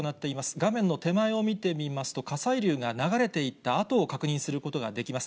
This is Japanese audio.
画面の手前を見てみますと、火砕流が流れていった跡を確認することができます。